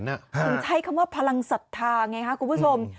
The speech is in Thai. ผมใช้คำว่าพลังศรัทธาไงครับคุณผู้ชม